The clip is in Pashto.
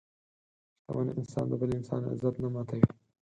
شتمن انسان د بل انسان عزت نه ماتوي.